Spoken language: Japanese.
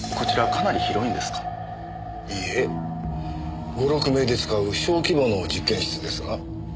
いいえ５６名で使う小規模の実験室ですが。